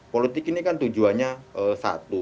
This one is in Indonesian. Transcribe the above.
politik ini kan tujuannya satu